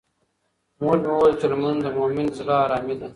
مور مې وویل چې لمونځ د مومن د زړه ارامي ده.